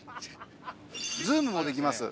・ズームもできます